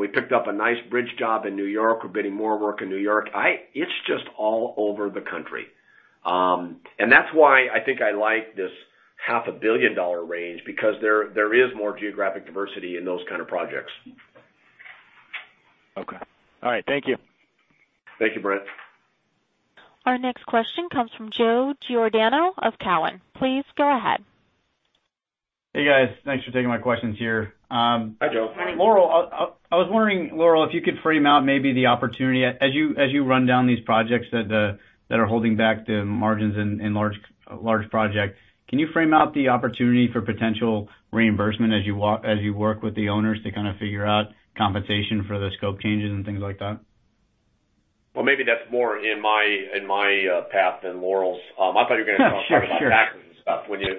[SPEAKER 3] We picked up a nice bridge job in New York. We're bidding more work in New York. It's just all over the country. That's why I think I like this $500 million range because there is more geographic diversity in those kind of projects.
[SPEAKER 11] Okay. All right. Thank you.
[SPEAKER 3] Thank you, Brent.
[SPEAKER 1] Our next question comes from Joe Giordano of Cowen. Please go ahead.
[SPEAKER 12] Hey, guys. Thanks for taking my questions here.
[SPEAKER 3] Hi, Joe.
[SPEAKER 12] Laurel, I was wondering, Laurel, if you could frame out maybe the opportunity as you run down these projects that are holding back the margins in large projects? Can you frame out the opportunity for potential reimbursement as you work with the owners to kind of figure out compensation for the scope changes and things like that?
[SPEAKER 3] Well, maybe that's more in my path than Laurel's. I thought you were going to talk about taxes and stuff when you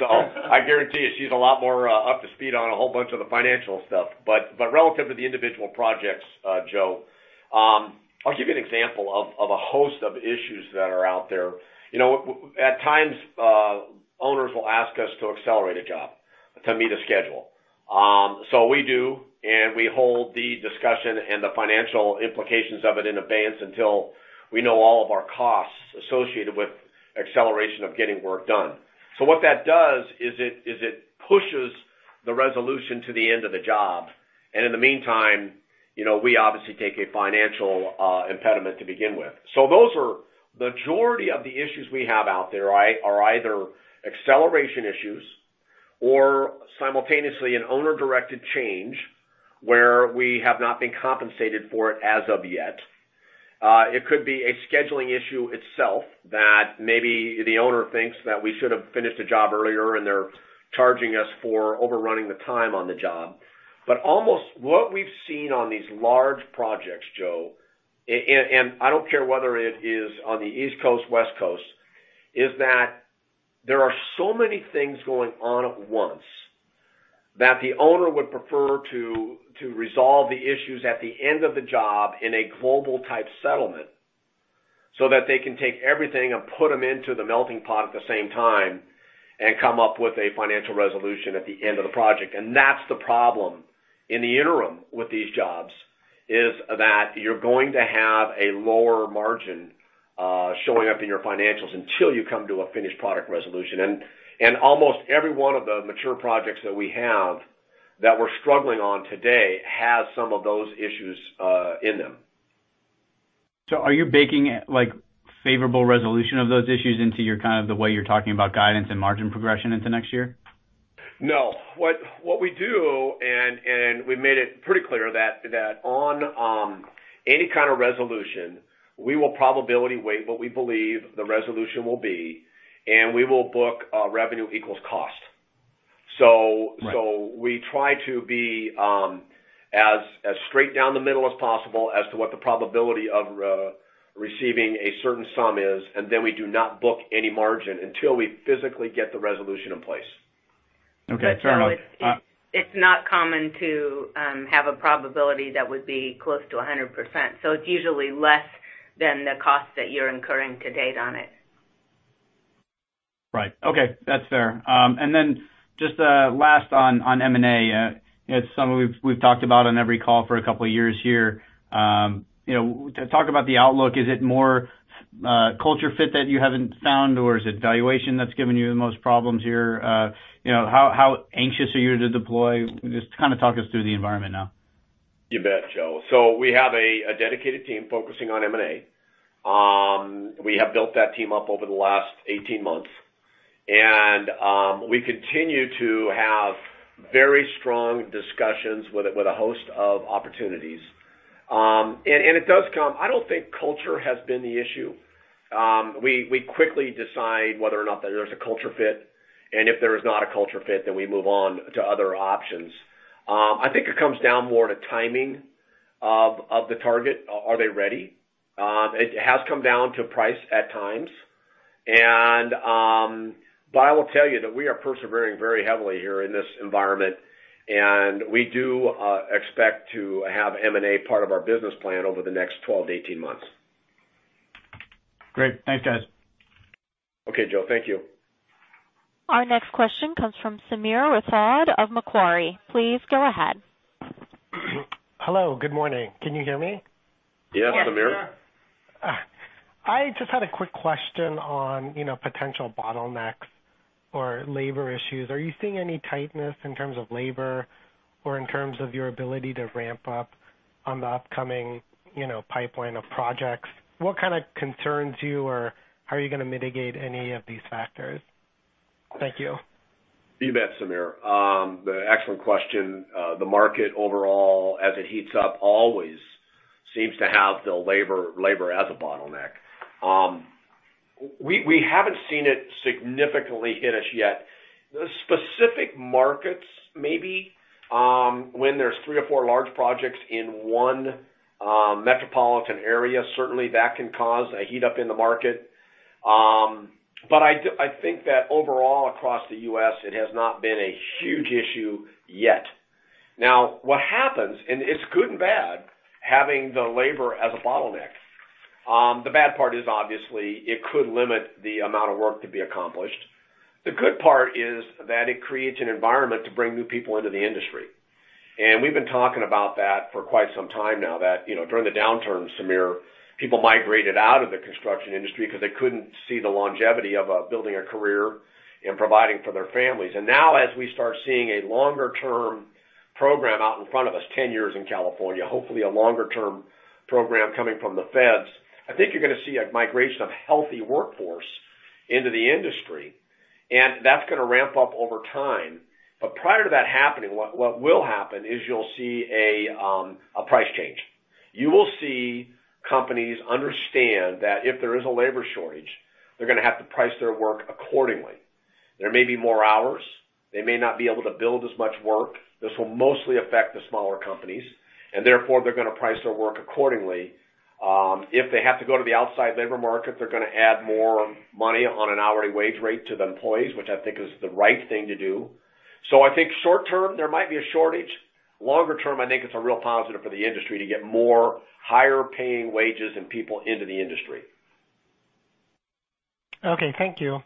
[SPEAKER 3] so I guarantee you she's a lot more up to speed on a whole bunch of the financial stuff. But relative to the individual projects, Joe, I'll give you an example of a host of issues that are out there. At times, owners will ask us to accelerate a job to meet a schedule. So we do, and we hold the discussion and the financial implications of it in advance until we know all of our costs associated with acceleration of getting work done. So what that does is it pushes the resolution to the end of the job. And in the meantime, we obviously take a financial impediment to begin with. So those are the majority of the issues we have out there: either acceleration issues or simultaneously an owner-directed change where we have not been compensated for it as of yet. It could be a scheduling issue itself that maybe the owner thinks that we should have finished the job earlier, and they're charging us for overrunning the time on the job. But almost what we've seen on these large projects, Joe, and I don't care whether it is on the East Coast, West Coast, is that there are so many things going on at once that the owner would prefer to resolve the issues at the end of the job in a global-type settlement so that they can take everything and put them into the melting pot at the same time and come up with a financial resolution at the end of the project. That's the problem in the interim with these jobs is that you're going to have a lower margin showing up in your financials until you come to a finished product resolution. Almost every one of the mature projects that we have that we're struggling on today has some of those issues in them.
[SPEAKER 12] So are you baking favorable resolution of those issues into kind of the way you're talking about guidance and margin progression into next year?
[SPEAKER 3] No. What we do, and we've made it pretty clear that on any kind of resolution, we will probability weight what we believe the resolution will be, and we will book revenue equals cost. So we try to be as straight down the middle as possible as to what the probability of receiving a certain sum is, and then we do not book any margin until we physically get the resolution in place.
[SPEAKER 12] Okay. Fair enough.
[SPEAKER 4] It's not common to have a probability that would be close to 100%. So it's usually less than the cost that you're incurring to date on it.
[SPEAKER 12] Right. Okay. That's fair. And then just last on M&A, it's something we've talked about on every call for a couple of years here. To talk about the outlook, is it more culture fit that you haven't found, or is it valuation that's given you the most problems here? How anxious are you to deploy? Just kind of talk us through the environment now.
[SPEAKER 3] You bet, Joe. So we have a dedicated team focusing on M&A. We have built that team up over the last 18 months. We continue to have very strong discussions with a host of opportunities. It does come. I don't think culture has been the issue. We quickly decide whether or not there's a culture fit. If there is not a culture fit, then we move on to other options. I think it comes down more to timing of the target. Are they ready? It has come down to price at times. But I will tell you that we are persevering very heavily here in this environment, and we do expect to have M&A part of our business plan over the next 12-18 months.
[SPEAKER 12] Great. Thanks, guys.
[SPEAKER 3] Okay, Joe. Thank you.
[SPEAKER 1] Our next question comes from Sameer Rathod of Macquarie. Please go ahead.
[SPEAKER 13] Hello. Good morning. Can you hear me?
[SPEAKER 3] Yes, Sameer.
[SPEAKER 13] I just had a quick question on potential bottlenecks or labor issues. Are you seeing any tightness in terms of labor or in terms of your ability to ramp up on the upcoming pipeline of projects? What kind of concerns you or how are you going to mitigate any of these factors? Thank you.
[SPEAKER 3] You bet, Sameer. The excellent question. The market overall, as it heats up, always seems to have the labor as a bottleneck. We haven't seen it significantly hit us yet. Specific markets, maybe when there's three or four large projects in one metropolitan area, certainly that can cause a heat-up in the market. But I think that overall across the U.S., it has not been a huge issue yet. Now, what happens, and it's good and bad, having the labor as a bottleneck, the bad part is obviously it could limit the amount of work to be accomplished. The good part is that it creates an environment to bring new people into the industry. And we've been talking about that for quite some time now that during the downturn, Sameer, people migrated out of the construction industry because they couldn't see the longevity of building a career and providing for their families. And now, as we start seeing a longer-term program out in front of us, 10 years in California, hopefully a longer-term program coming from the Feds, I think you're going to see a migration of healthy workforce into the industry. And that's going to ramp up over time. But prior to that happening, what will happen is you'll see a price change. You will see companies understand that if there is a labor shortage, they're going to have to price their work accordingly. There may be more hours. They may not be able to build as much work. This will mostly affect the smaller companies. Therefore, they're going to price their work accordingly. If they have to go to the outside labor market, they're going to add more money on an hourly wage rate to the employees, which I think is the right thing to do. So I think short-term, there might be a shortage. Longer-term, I think it's a real positive for the industry to get more higher-paying wages and people into the industry.
[SPEAKER 13] Okay. Thank you.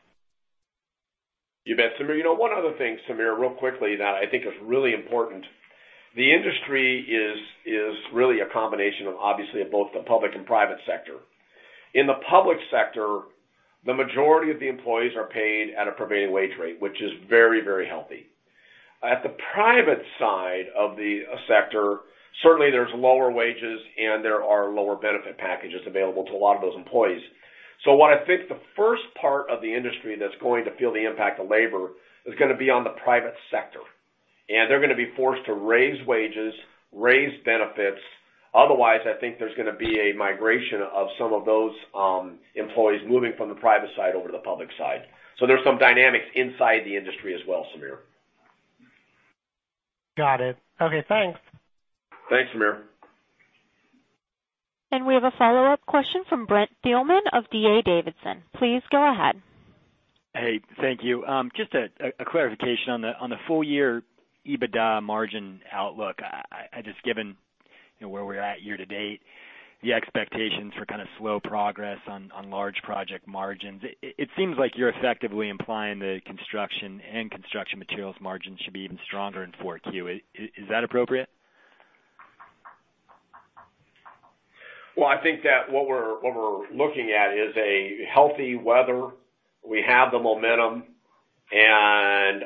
[SPEAKER 3] You bet, Sameer. One other thing, Sameer, real quickly that I think is really important. The industry is really a combination of, obviously, both the public and private sector. In the public sector, the majority of the employees are paid at a prevailing wage rate, which is very, very healthy. At the private side of the sector, certainly there's lower wages, and there are lower benefit packages available to a lot of those employees. So what I think the first part of the industry that's going to feel the impact of labor is going to be on the private sector. And they're going to be forced to raise wages, raise benefits. Otherwise, I think there's going to be a migration of some of those employees moving from the private side over to the public side. So there's some dynamics inside the industry as well, Sameer.
[SPEAKER 13] Got it. Okay. Thanks.
[SPEAKER 3] Thanks, Sameer.
[SPEAKER 1] We have a follow-up question from Brent Thielman of D.A. Davidson. Please go ahead.
[SPEAKER 11] Hey, thank you. Just a clarification on the full-year EBITDA margin outlook, just given where we're at year to date, the expectations for kind of slow progress on large project margins, it seems like you're effectively implying the construction and construction materials margins should be even stronger in 4Q. Is that appropriate?
[SPEAKER 3] Well, I think that what we're looking at is a healthy weather. We have the momentum. Yes,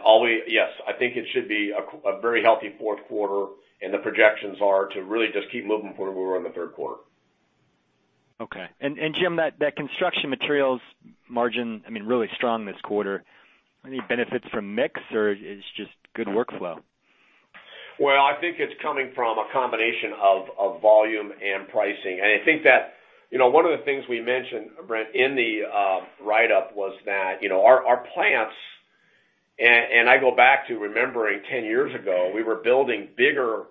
[SPEAKER 3] I think it should be a very healthy fourth quarter. The projections are to really just keep moving forward where we were in the third quarter.
[SPEAKER 11] Okay. And Jim, that Construction Materials margin, I mean, really strong this quarter. Any benefits from mix or it's just good workflow?
[SPEAKER 3] Well, I think it's coming from a combination of volume and pricing. And I think that one of the things we mentioned, Brent, in the write-up was that our plants, and I go back to remembering 10 years ago, we were building bigger,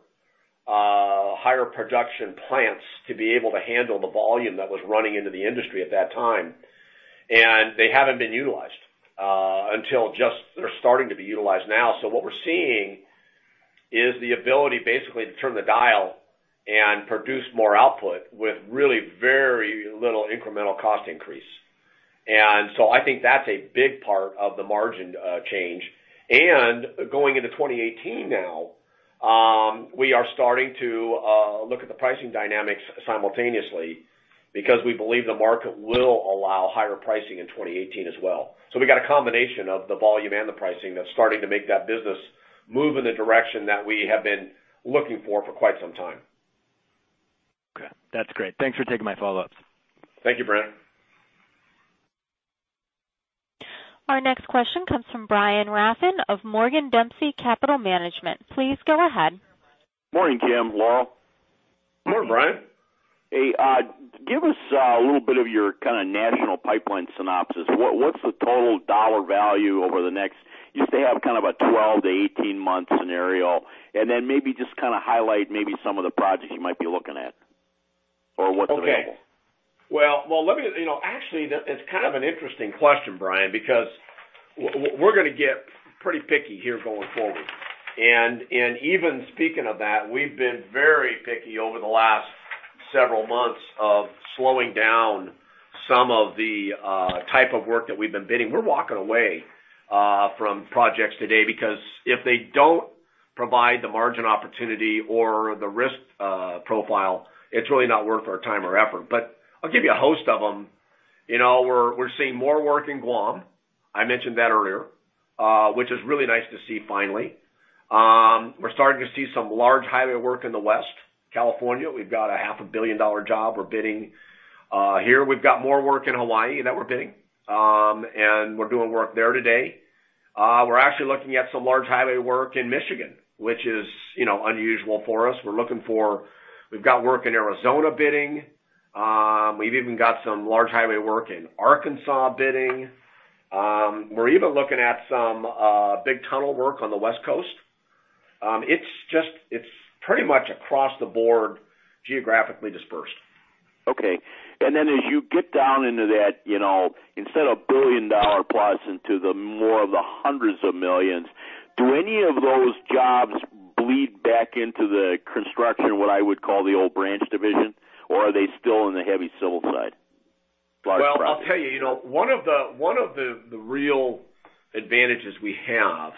[SPEAKER 3] higher production plants to be able to handle the volume that was running into the industry at that time. And they haven't been utilized until just they're starting to be utilized now. So what we're seeing is the ability basically to turn the dial and produce more output with really very little incremental cost increase. And so I think that's a big part of the margin change. And going into 2018 now, we are starting to look at the pricing dynamics simultaneously because we believe the market will allow higher pricing in 2018 as well. So we got a combination of the volume and the pricing that's starting to make that business move in the direction that we have been looking for for quite some time.
[SPEAKER 11] Okay. That's great. Thanks for taking my follow-ups.
[SPEAKER 3] Thank you, Brent.
[SPEAKER 1] Our next question comes from Brian Rafn of Morgan Dempsey Capital Management. Please go ahead.
[SPEAKER 14] Morning, Jim. Laurel.
[SPEAKER 3] Morning, Brian.
[SPEAKER 14] Hey, give us a little bit of your kind of national pipeline synopsis. What's the total dollar value over the next—you used to have kind of a 12-18-month scenario. And then maybe just kind of highlight maybe some of the projects you might be looking at or what's available.
[SPEAKER 3] Okay. Well, actually, it's kind of an interesting question, Brian, because we're going to get pretty picky here going forward. And even speaking of that, we've been very picky over the last several months of slowing down some of the type of work that we've been bidding. We're walking away from projects today because if they don't provide the margin opportunity or the risk profile, it's really not worth our time or effort. But I'll give you a host of them. We're seeing more work in Guam. I mentioned that earlier, which is really nice to see finally. We're starting to see some large highway work in the West, California. We've got a $500 million job we're bidding. Here, we've got more work in Hawaii that we're bidding. And we're doing work there today. We're actually looking at some large highway work in Michigan, which is unusual for us. We're looking for, we've got work in Arizona bidding. We've even got some large highway work in Arkansas bidding. We're even looking at some big tunnel work on the West Coast. It's pretty much across the board geographically dispersed.
[SPEAKER 14] Okay. And then as you get down into that, instead of billion-dollar plus into the more of the 100s of millions, do any of those jobs bleed back into the construction, what I would call the old Branch Division, or are they still in the heavy civil side?
[SPEAKER 3] Well, I'll tell you, one of the real advantages we have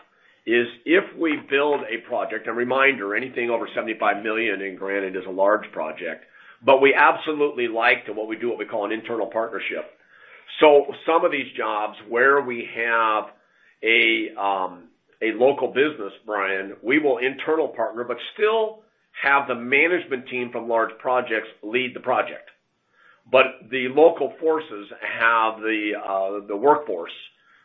[SPEAKER 3] is if we build a project - and reminder, anything over $75 million in Granite is a large project - but we absolutely like to - what we do, what we call an internal partnership. So some of these jobs where we have a local business, Brian, we will internal partner, but still have the management team from large projects lead the project. But the local forces have the workforce,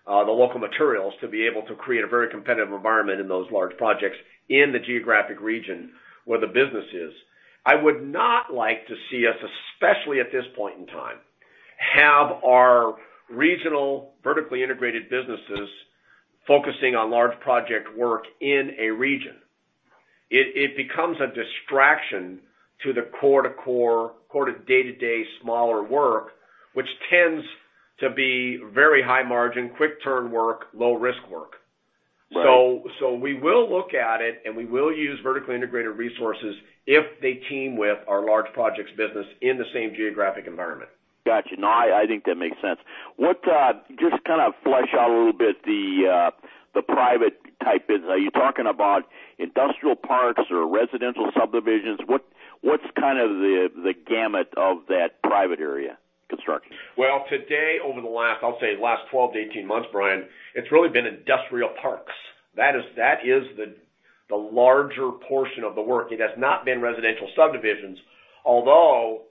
[SPEAKER 3] the local materials to be able to create a very competitive environment in those large projects in the geographic region where the business is. I would not like to see us, especially at this point in time, have our regional vertically integrated businesses focusing on large project work in a region. It becomes a distraction to the core to day-to-day smaller work, which tends to be very high margin, quick-turn work, low-risk work. So we will look at it, and we will use vertically integrated resources if they team with our large projects business in the same geographic environment. Gotcha. No, I think that makes sense. Just kind of flesh out a little bit the private type business. Are you talking about industrial parks or residential subdivisions? What's kind of the gamut of that private area construction? Well, today, over the last, I'll say last 12 to 18 months, Brian, it's really been industrial parks. That is the larger portion of the work. It has not been residential subdivisions, although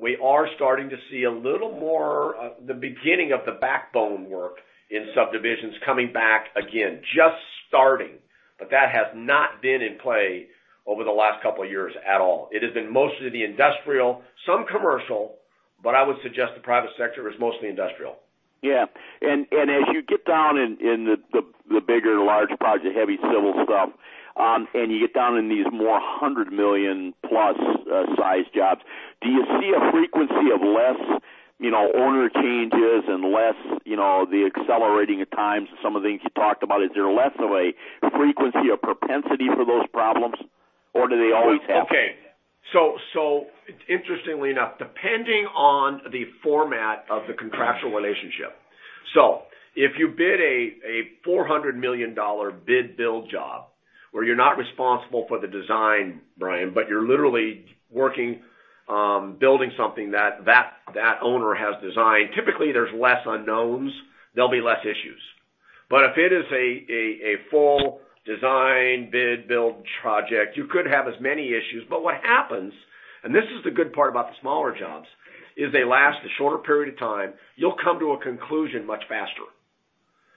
[SPEAKER 3] we are starting to see a little more the beginning of the backbone work in subdivisions coming back again, just starting. But that has not been in play over the last couple of years at all. It has been mostly the industrial, some commercial, but I would suggest the private sector is mostly industrial.
[SPEAKER 14] Yeah. And as you get down in the bigger and large projects, the heavy civil stuff, and you get down in these more 100-million+ size jobs, do you see a frequency of less owner changes and less the accelerating at times and some of the things you talked about? Is there less of a frequency or propensity for those problems, or do they always happen?
[SPEAKER 3] Okay. So interestingly enough, depending on the format of the contractual relationship. So if you bid a $400 million bid-build job where you're not responsible for the design, Brian, but you're literally working, building something that that owner has designed, typically there's less unknowns. There'll be less issues. But if it is a full design-bid-build project, you could have as many issues. But what happens, and this is the good part about the smaller jobs, is they last a shorter period of time. You'll come to a conclusion much faster.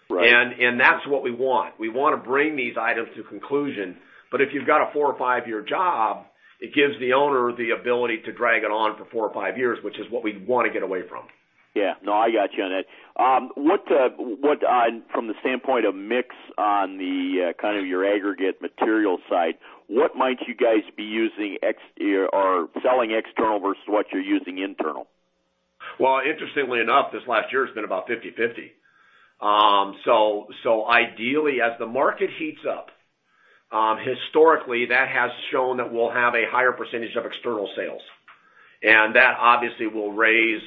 [SPEAKER 3] And that's what we want. We want to bring these items to conclusion. But if you've got a four- or five-year job, it gives the owner the ability to drag it on for four or five years, which is what we want to get away from.
[SPEAKER 14] Yeah. No, I got you on that. From the standpoint of mix on kind of your aggregate material side, what might you guys be using or selling external vs what you're using internal?
[SPEAKER 3] Well, interestingly enough, this last year has been about 50/50. So ideally, as the market heats up, historically, that has shown that we'll have a higher % of external sales. And that obviously will raise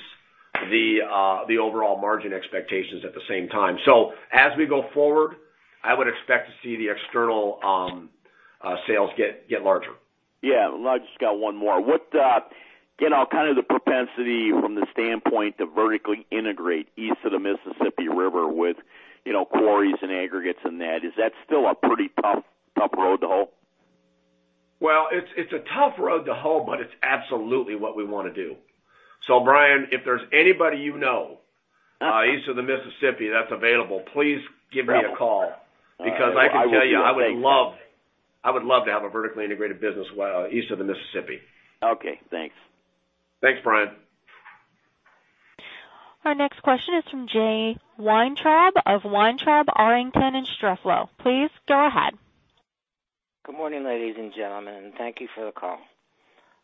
[SPEAKER 3] the overall margin expectations at the same time. So as we go forward, I would expect to see the external sales get larger.
[SPEAKER 14] Yeah. I just got one more. Kind of the propensity from the standpoint to vertically integrate east of the Mississippi River with quarries and aggregates and that, is that still a pretty tough row to hoe? Well, it's a tough row to hoe, but it's absolutely what we want to do.
[SPEAKER 3] So Brian, if there's anybody you know east of the Mississippi that's available, please give me a call because I can tell you I would love to have a vertically integrated business east of the Mississippi.
[SPEAKER 14] Okay. Thanks.
[SPEAKER 3] Thanks, Brian.
[SPEAKER 1] Our next question is from Jay Weintraub of Weintraub, Arrington, and Strefel. Please go ahead.
[SPEAKER 15] Good morning, ladies and gentlemen. Thank you for the call.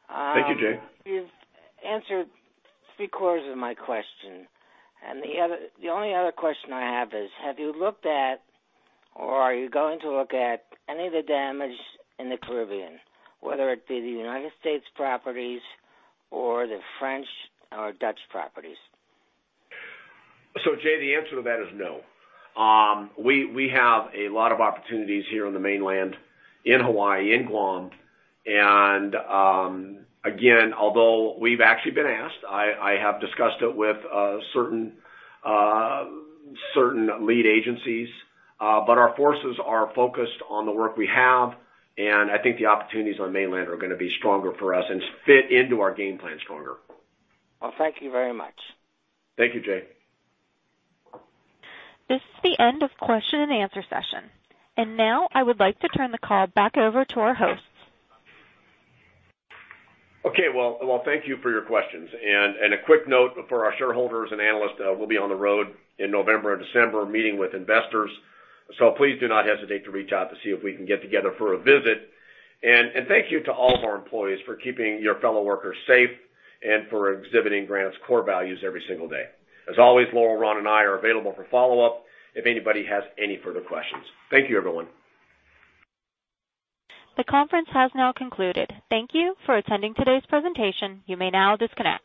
[SPEAKER 4] Thank you, Jay.
[SPEAKER 15] You've answered three quarters of my question. The only other question I have is, have you looked at or are you going to look at any of the damage in the Caribbean, whether it be the United States properties or the French or Dutch properties?
[SPEAKER 3] So Jay, the answer to that is no. We have a lot of opportunities here on the mainland in Hawaii, in Guam. And again, although we've actually been asked, I have discussed it with certain lead agencies. But our forces are focused on the work we have. And I think the opportunities on the mainland are going to be stronger for us and fit into our game plan stronger.
[SPEAKER 15] Well, thank you very much.
[SPEAKER 3] Thank you, Jay.
[SPEAKER 1] This is the end of question and answer session. Now I would like to turn the call back over to our hosts.
[SPEAKER 3] Okay. Well, thank you for your questions. A quick note for our shareholders and analysts, we'll be on the road in November and December meeting with investors. Please do not hesitate to reach out to see if we can get together for a visit. Thank you to all of our employees for keeping your fellow workers safe and for exhibiting Granite's core values every single day. As always, Laurel, Ron, and I are available for follow-up if anybody has any further questions. Thank you, everyone.
[SPEAKER 1] The conference has now concluded. Thank you for attending today's presentation. You may now disconnect.